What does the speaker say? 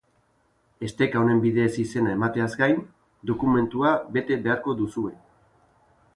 Esteka honen bidez izena emateaz gain, dokumentua bete beharko duzue.